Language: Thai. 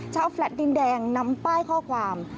แฟลต์ดินแดงนำป้ายข้อความ